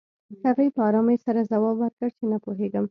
هغې په ارامۍ سره ځواب ورکړ چې نه پوهېږم